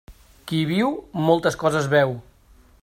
Qui viu, moltes coses veu.